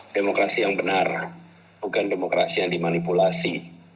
demokrasi yang benar bukan demokrasi yang dimanipulasi